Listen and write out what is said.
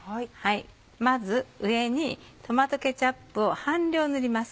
まず上にトマトケチャップを半量塗ります。